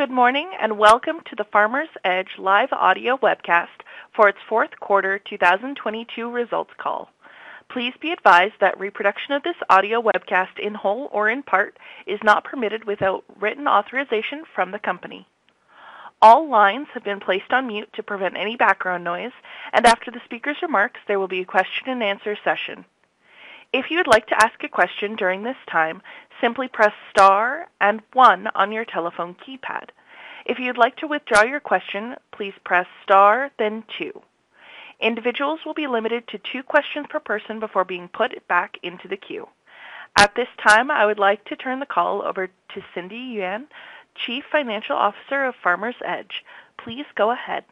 Good morning, welcome to the Farmers Edge Live Audio Webcast for Its Fourth Quarter 2022 Results Call. Please be advised that reproduction of this audio webcast, in whole or in part, is not permitted without written authorization from the company. All lines have been placed on mute to prevent any background noise, and after the speaker's remarks, there will be a question and answer session. If you'd like to ask a question during this time, simply press star and one on your telephone keypad. If you'd like to withdraw your question, please press star, then two. Individuals will be limited to two questions per person before being put back into the queue. At this time, I would like to turn the call over to Cindy Yuan, Chief Financial Officer of Farmers Edge. Please go ahead.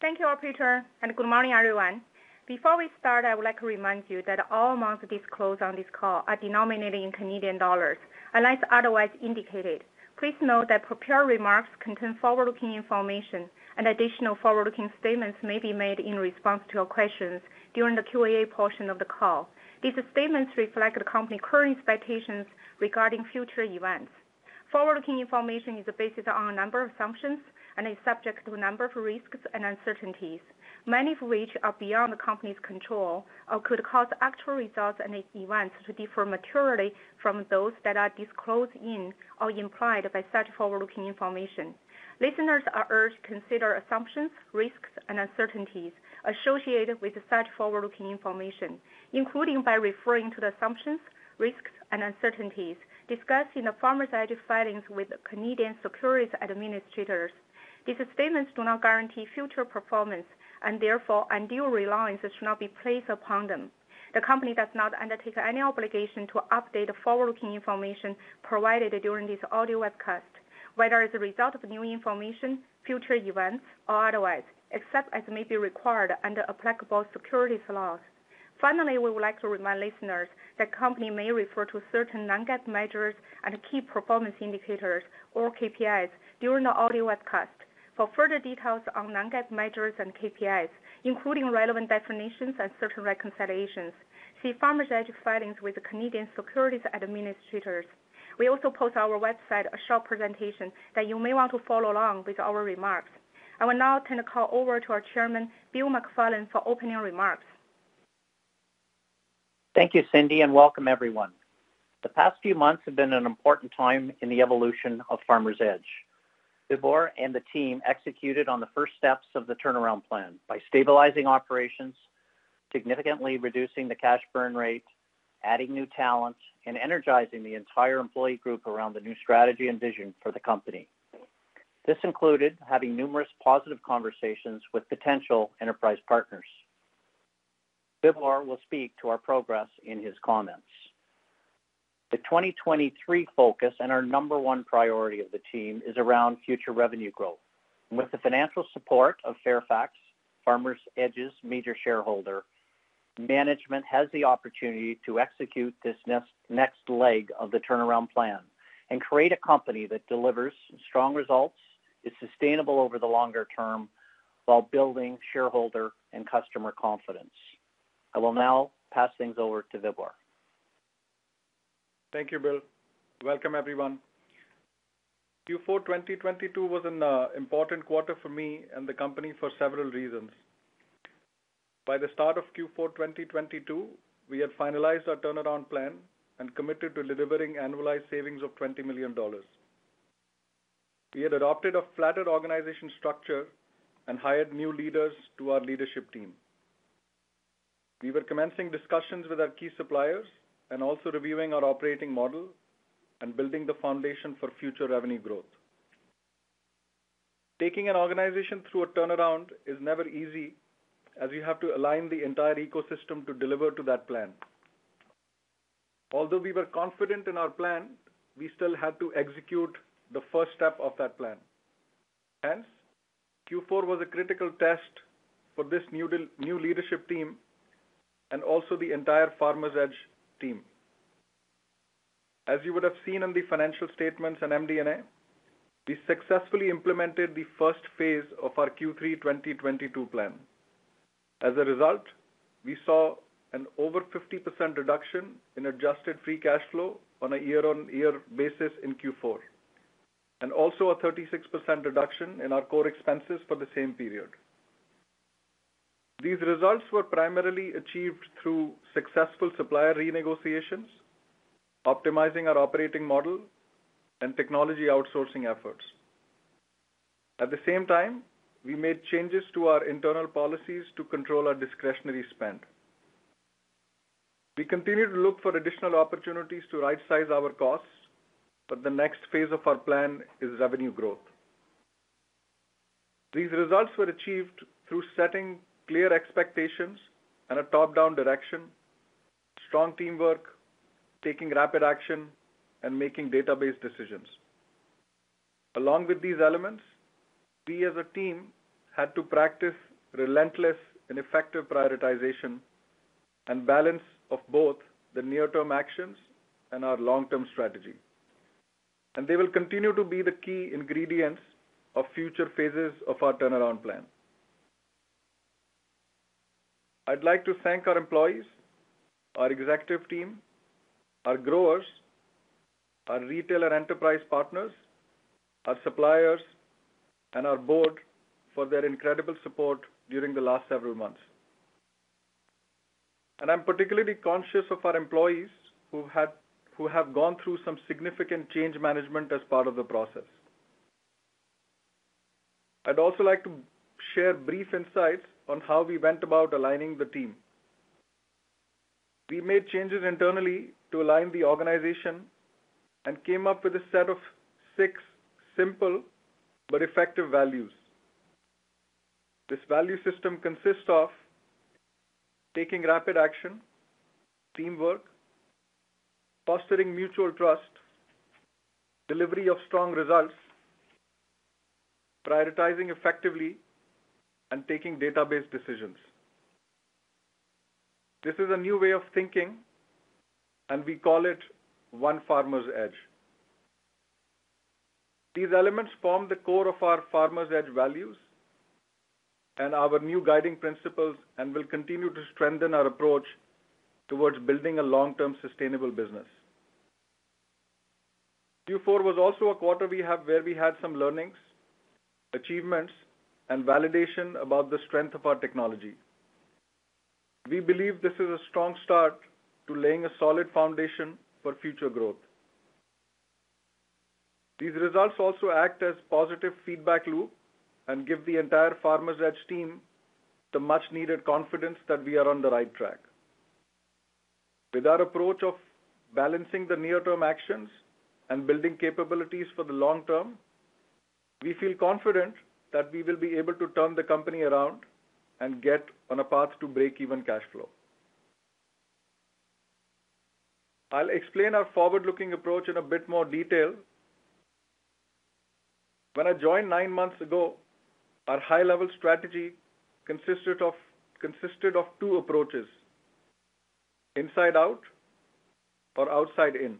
Thank you, operator, and good morning, everyone. Before we start, I would like to remind you that all amounts disclosed on this call are denominated in Canadian dollars, unless otherwise indicated. Please note that prepared remarks contain forward-looking information and additional forward-looking statements may be made in response to your questions during the Q&A portion of the call. These statements reflect the company's current expectations regarding future events. Forward-looking information is based on a number of assumptions and is subject to a number of risks and uncertainties, many of which are beyond the company's control or could cause actual results and events to differ materially from those that are disclosed in or implied by such forward-looking information. Listeners are urged to consider assumptions, risks, and uncertainties associated with such forward-looking information, including by referring to the assumptions, risks, and uncertainties discussed in the Farmers Edge filings with Canadian Securities Administrators. These statements do not guarantee future performance, and therefore undue reliance should not be placed upon them. The company does not undertake any obligation to update forward-looking information provided during this audio webcast, whether as a result of new information, future events, or otherwise, except as may be required under applicable securities laws. We would like to remind listeners that company may refer to certain non-GAAP measures and key performance indicators or KPIs during the audio webcast. For further details on non-GAAP measures and KPIs, including relevant definitions and certain reconciliations, see Farmers Edge filings with the Canadian Securities Administrators. We also post our website a short presentation that you may want to follow along with our remarks. I will now turn the call over to our chairman, Bill McFarland, for opening remarks. Thank you, Cindy. Welcome everyone. The past few months have been an important time in the evolution of Farmers Edge. Vibhore and the team executed on the first steps of the turnaround plan by stabilizing operations, significantly reducing the cash burn rate, adding new talent, and energizing the entire employee group around the new strategy and vision for the company. This included having numerous positive conversations with potential enterprise partners. Vibhore will speak to our progress in his comments. The 2023 focus and our number one priority of the team is around future revenue growth. With the financial support of Fairfax, Farmers Edge's major shareholder, management has the opportunity to execute this next leg of the turnaround plan and create a company that delivers strong results, is sustainable over the longer term, while building shareholder and customer confidence. I will now pass things over to Vibhore. Thank you, Bill. Welcome, everyone. Q4 2022 was an important quarter for me and the company for several reasons. By the start of Q4 2022, we had finalized our turnaround plan and committed to delivering annualized savings of 20 million dollars. We had adopted a flatter organization structure and hired new leaders to our leadership team. We were commencing discussions with our key suppliers and also reviewing our operating model and building the foundation for future revenue growth. Taking an organization through a turnaround is never easy, as you have to align the entire ecosystem to deliver to that plan. Although we were confident in our plan, we still had to execute the first step of that plan. Hence, Q4 was a critical test for this new leadership team and also the entire Farmers Edge team. As you would have seen in the financial statements and MD&A, we successfully implemented the first phase of our Q3 2022 plan. As a result, we saw an over 50% reduction in adjusted free cash flow on a year-on-year basis in Q4, and also a 36% reduction in our core expenses for the same period. These results were primarily achieved through successful supplier renegotiations, optimizing our operating model, and technology outsourcing efforts. At the same time, we made changes to our internal policies to control our discretionary spend. We continue to look for additional opportunities to right-size our costs, but the next phase of our plan is revenue growth. These results were achieved through setting clear expectations and a top-down direction, strong teamwork, taking rapid action, and making data-based decisions. Along with these elements, we as a team had to practice relentless and effective prioritization and balance of both the near-term actions and our long-term strategy. They will continue to be the key ingredients of future phases of our turnaround plan. I'd like to thank our employees, our executive team, our growers, our retailer enterprise partners, our suppliers, and our board for their incredible support during the last several months. I'm particularly conscious of our employees who have gone through some significant change management as part of the process. I'd also like to share brief insights on how we went about aligning the team. We made changes internally to align the organization and came up with a set of 6 simple but effective values. This value system consists of taking rapid action, teamwork, fostering mutual trust, delivery of strong results, prioritizing effectively, and taking data-based decisions. This is a new way of thinking, and we call it One Farmers Edge. These elements form the core of our Farmers Edge values and our new guiding principles, and will continue to strengthen our approach towards building a long-term sustainable business. Q4 was also a quarter where we had some learnings, achievements, and validation about the strength of our technology. We believe this is a strong start to laying a solid foundation for future growth. These results also act as positive feedback loop and give the entire Farmers Edge team the much-needed confidence that we are on the right track. With our approach of balancing the near-term actions and building capabilities for the long term, we feel confident that we will be able to turn the company around and get on a path to break-even cash flow. I'll explain our forward-looking approach in a bit more detail. When I joined nine months ago, our high-level strategy consisted of two approaches: inside out or outside in.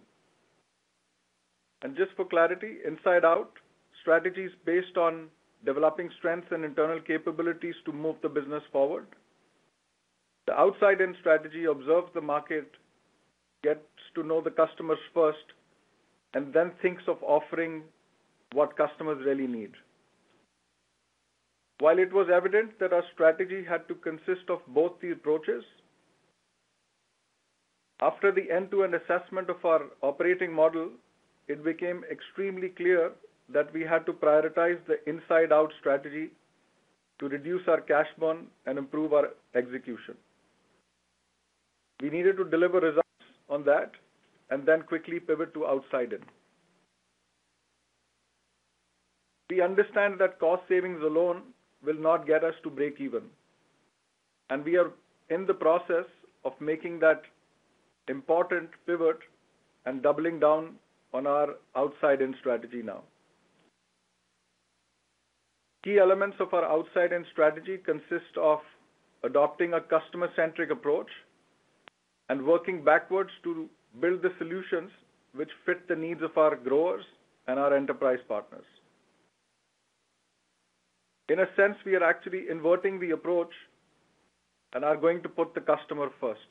Just for clarity, inside out strategy is based on developing strengths and internal capabilities to move the business forward. The outside in strategy observes the market, gets to know the customers first, and then thinks of offering what customers really need. While it was evident that our strategy had to consist of both the approaches, after the end-to-end assessment of our operating model, it became extremely clear that we had to prioritize the inside out strategy to reduce our cash burn and improve our execution. We needed to deliver results on that and then quickly pivot to outside in. We understand that cost savings alone will not get us to break even, and we are in the process of making that important pivot and doubling down on our outside in strategy now. Key elements of our outside in strategy consist of adopting a customer-centric approach and working backwards to build the solutions which fit the needs of our growers and our enterprise partners. In a sense, we are actually inverting the approach and are going to put the customer first.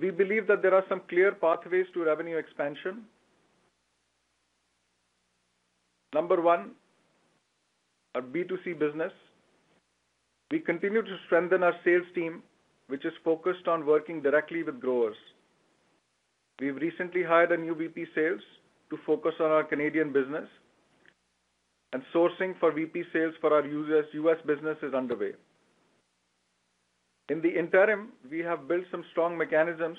We believe that there are some clear pathways to revenue expansion. One, our B2C business. We continue to strengthen our sales team, which is focused on working directly with growers. We've recently hired a new VP sales to focus on our Canadian business, and sourcing for VP sales for our U.S. business is underway. In the interim, we have built some strong mechanisms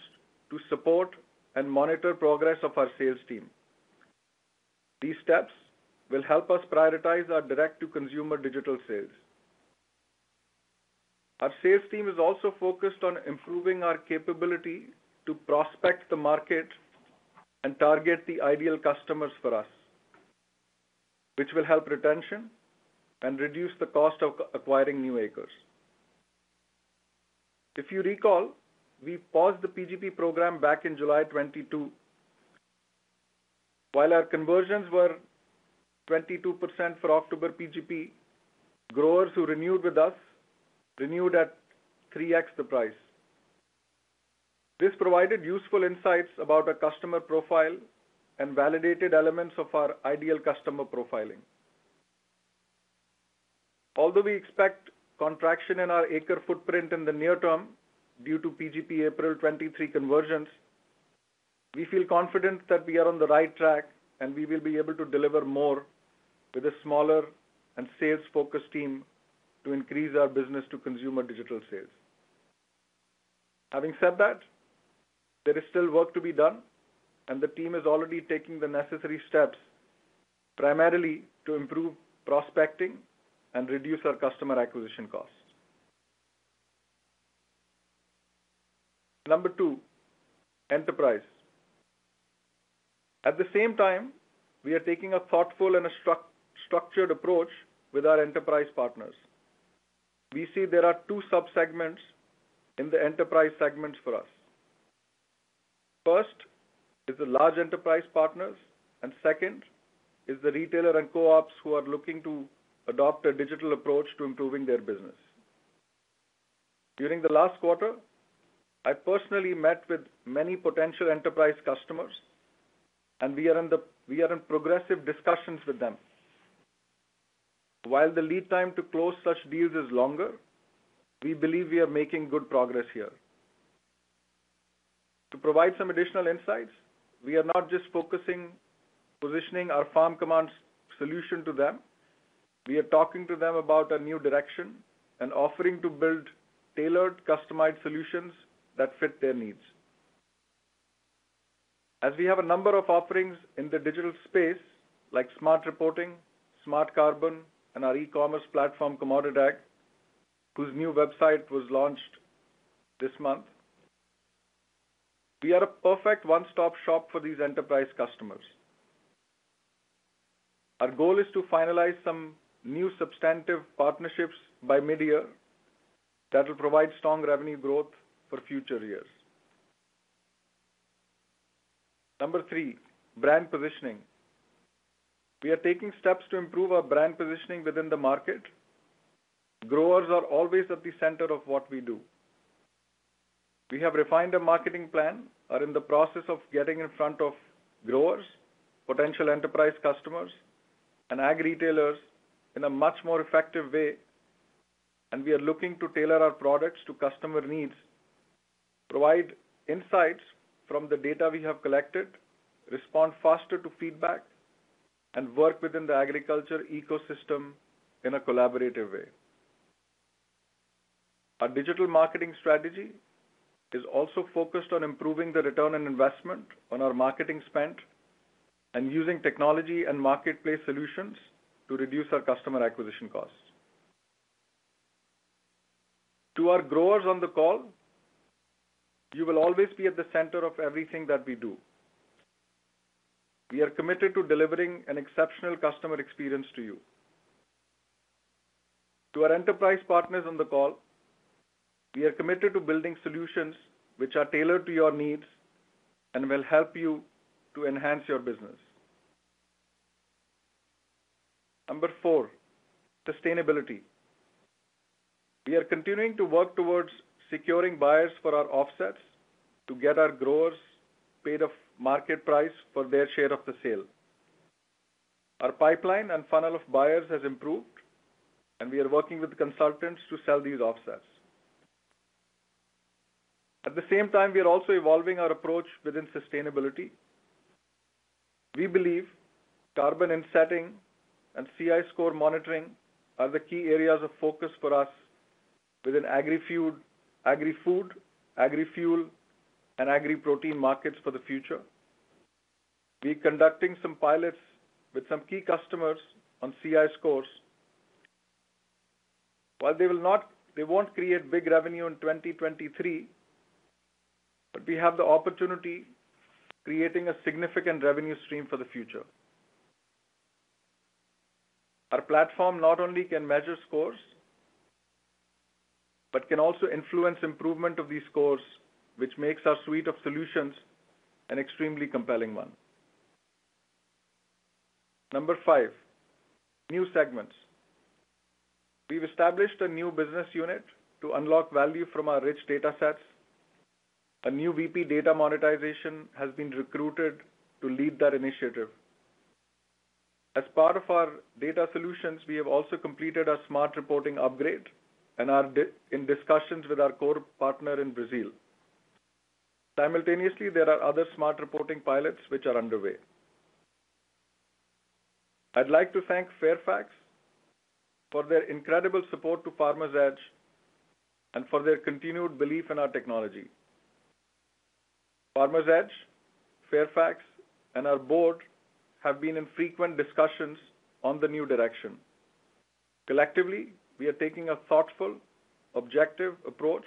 to support and monitor progress of our sales team. These steps will help us prioritize our direct-to-consumer digital sales. Our sales team is also focused on improving our capability to prospect the market and target the ideal customers for us, which will help retention and reduce the cost of acquiring new acres. If you recall, we paused the PGP program back in July 2022. While our conversions were 22% for October PGP, growers who renewed with us renewed at 3x the price. This provided useful insights about our customer profile and validated elements of our ideal customer profiling. We expect contraction in our acre footprint in the near term due to PGP April 23 conversions, we feel confident that we are on the right track and we will be able to deliver more with a smaller and sales-focused team to increase our business to consumer digital sales. Having said that, there is still work to be done and the team is already taking the necessary steps primarily to improve prospecting and reduce our customer acquisition costs. Number two, enterprise. At the same time, we are taking a thoughtful and a structured approach with our enterprise partners. We see there are two sub-segments in the enterprise segments for us. First is the large enterprise partners, and second is the retailer and co-ops who are looking to adopt a digital approach to improving their business. During the last quarter, I personally met with many potential enterprise customers, and we are in progressive discussions with them. While the lead time to close such deals is longer, we believe we are making good progress here. To provide some additional insights, we are not just focusing positioning our FarmCommand solution to them, we are talking to them about a new direction and offering to build tailored, customized solutions that fit their needs. As we have a number of offerings in the digital space, like Smart Reporting, Smart Carbon, and our e-commerce platform, CommodityAg, whose new website was launched this month. We are a perfect one-stop shop for these enterprise customers. Our goal is to finalize some new substantive partnerships by mid-year that will provide strong revenue growth for future years. Number three, brand positioning. We are taking steps to improve our brand positioning within the market. Growers are always at the center of what we do. We have refined our marketing plan, are in the process of getting in front of growers, potential enterprise customers, and ag retailers in a much more effective way. We are looking to tailor our products to customer needs, provide insights from the data we have collected, respond faster to feedback, and work within the agriculture ecosystem in a collaborative way. Our digital marketing strategy is also focused on improving the ROI on our marketing spend and using technology and marketplace solutions to reduce our customer acquisition costs. To our growers on the call, you will always be at the center of everything that we do. We are committed to delivering an exceptional customer experience to you. To our enterprise partners on the call, we are committed to building solutions which are tailored to your needs and will help you to enhance your business. Number four, sustainability. We are continuing to work towards securing buyers for our offsets to get our growers paid a market price for their share of the sale. Our pipeline and funnel of buyers has improved and we are working with consultants to sell these offsets. At the same time, we are also evolving our approach within sustainability. We believe carbon insetting and CI score monitoring are the key areas of focus for us within agri-food, agrofuel, and agriprotein markets for the future. We're conducting some pilots with some key customers on CI scores. While they won't create big revenue in 2023, but we have the opportunity creating a significant revenue stream for the future. Our platform not only can measure scores, but can also influence improvement of these scores, which makes our suite of solutions an extremely compelling one. Number five: New segments. We've established a new business unit to unlock value from our rich datasets. A new VP of Data Monetization has been recruited to lead that initiative. As part of our data solutions, we have also completed our Smart Reporting upgrade and are in discussions with our core partner in Brazil. Simultaneously, there are other Smart Reporting pilots which are underway. I'd like to thank Fairfax for their incredible support to Farmers Edge and for their continued belief in our technology. Farmers Edge, Fairfax, and our board have been in frequent discussions on the new direction. Collectively, we are taking a thoughtful, objective approach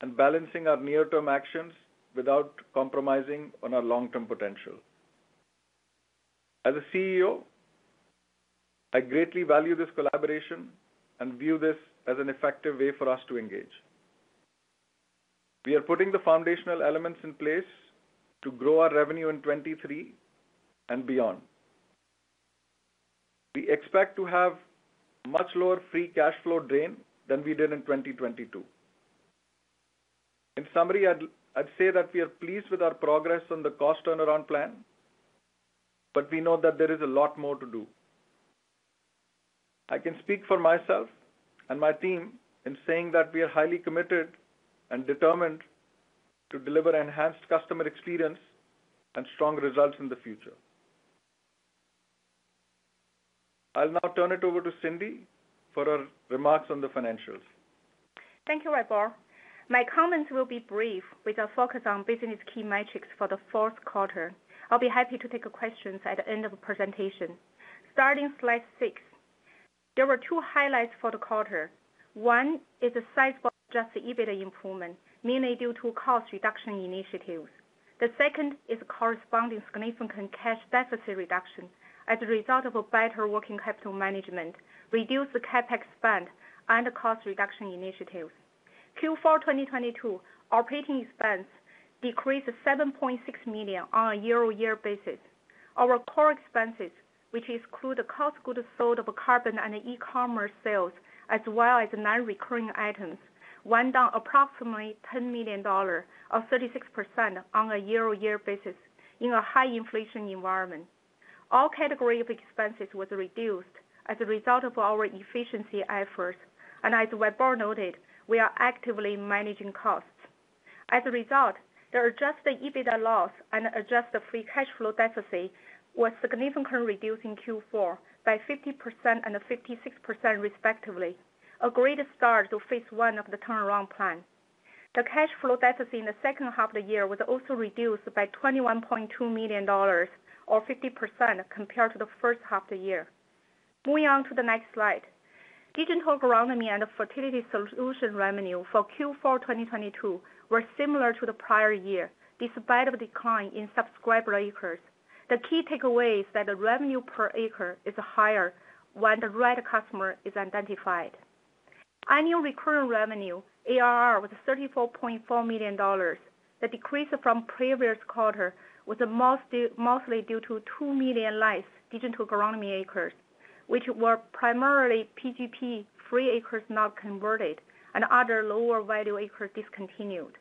and balancing our near-term actions without compromising on our long-term potential. As a CEO, I greatly value this collaboration and view this as an effective way for us to engage. We are putting the foundational elements in place to grow our revenue in 2023 and beyond. We expect to have much lower free cash flow drain than we did in 2022. In summary, I'd say that we are pleased with our progress on the cost turnaround plan, but we know that there is a lot more to do. I can speak for myself and my team in saying that we are highly committed and determined to deliver enhanced customer experience and strong results in the future. I'll now turn it over to Cindy for her remarks on the financials. Thank you, Vibhore. My comments will be brief, with a focus on business key metrics for the fourth quarter. I'll be happy to take questions at the end of the presentation. Starting slide six. There were two highlights for the quarter. One is a sizable adjusted EBITDA improvement, mainly due to cost reduction initiatives. The second is a corresponding significant cash deficit reduction as a result of a better working capital management, reduced CapEx spend, and cost reduction initiatives. Q4 2022, operating expense decreased 7.6 million on a year-over-year basis. Our core expenses, which exclude the cost of goods sold of carbon and e-commerce sales, as well as non-recurring items, went down approximately 10 million dollars or 36% on a year-over-year basis in a high inflation environment. All category of expenses was reduced as a result of our efficiency efforts. As Vibhore noted, we are actively managing costs. As a result, the adjusted EBITDA loss and adjusted free cash flow deficit was significantly reduced in Q4 by 50% and 56% respectively. A great start to Phase 1 of the turnaround plan. The cash flow deficit in the second half of the year was also reduced by 21.2 million dollars or 50% compared to the first half of the year. Moving on to the next slide. digital agronomy and the fertility solution revenue for Q4 2022 were similar to the prior year, despite a decline in subscriber acres. The key takeaway is that the revenue per acre is higher when the right customer is identified. Annual recurring revenue, ARR, was 34.4 million dollars. The decrease from previous quarter was mostly due to 2 million less digital agronomy acres, which were primarily PGP-free acres not converted and other lower value acres discontinued.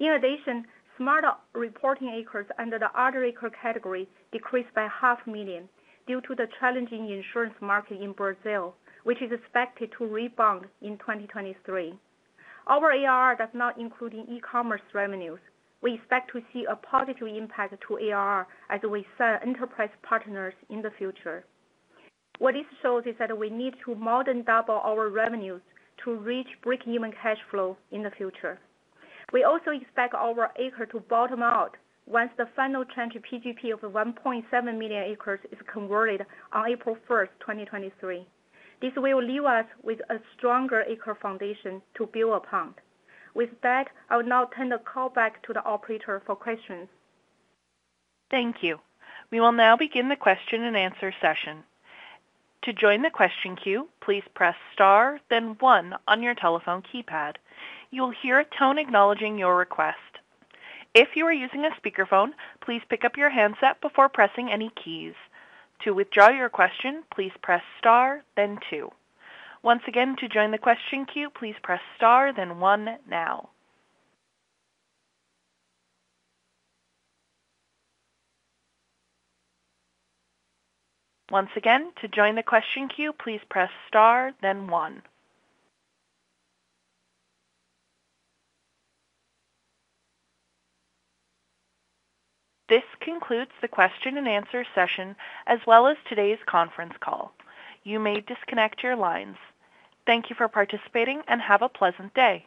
In addition, Smart Reporting acres under the other acre category decreased by half million due to the challenging insurance market in Brazil, which is expected to rebound in 2023. Our ARR does not include e-commerce revenues. We expect to see a positive impact to ARR as we sell enterprise partners in the future. What this shows is that we need to more than double our revenues to reach break-even cash flow in the future. We also expect our acre to bottom out once the final trend to PGP of 1.7 million acres is converted on April 1, 2023. This will leave us with a stronger acre foundation to build upon. With that, I will now turn the call back to the operator for questions. Thank you. We will now begin the question-and-answer session. To join the question queue, please press star then one on your telephone keypad. You will hear a tone acknowledging your request. If you are using a speakerphone, please pick up your handset before pressing any keys. To withdraw your question, please press star then two. Once again, to join the question queue, please press star then one now. Once again, to join the question queue, please press star then one. This concludes the question-and-answer session, as well as today's conference call. You may disconnect your lines. Thank you for participating, and have a pleasant day.